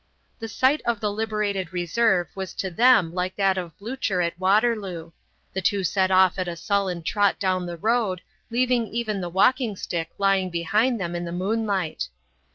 The sight of the liberated reserve was to them like that of Blucher at Waterloo; the two set off at a sullen trot down the road, leaving even the walking stick lying behind them in the moonlight.